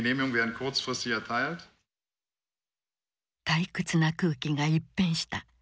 退屈な空気が一変した。